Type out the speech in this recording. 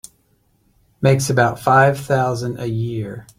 Makes about five thousand a year.